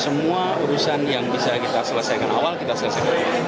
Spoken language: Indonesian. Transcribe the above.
semua urusan yang bisa kita selesaikan awal kita selesaikan